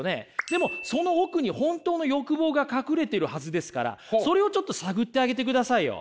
でもその奥に本当の欲望が隠れているはずですからそれをちょっと探ってあげてくださいよ。